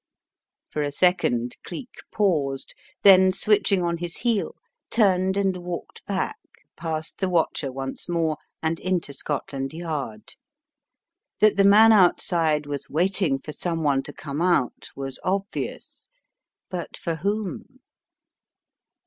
For a second Cleek paused, then switching on his heel, turned and walked back, past the watcher once more, and into Scotland Yard. That the man out side was waiting for someone to come out was obvi ous, but for whom?